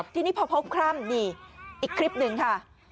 ทีนี้พอพบคร่ำนี่อีกคลิปหนึ่งค่ะ